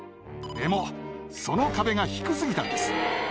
でもその壁が低過ぎたんです。